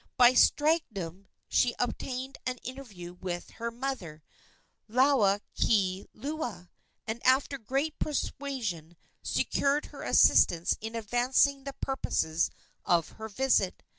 By stratagem she obtained an interview with her mother, Laukieleula, and after great persuasion secured her assistance in advancing the purposes of her visit.